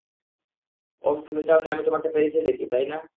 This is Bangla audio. ওহ, তুমি চাওনি আমি তোমাকে প্যারিসে দেখি, তাই না?